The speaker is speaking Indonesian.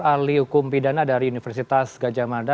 ahli hukum pidana dari universitas gajah mada